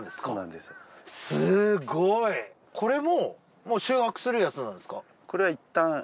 すごい！これも収穫するやつなんですか？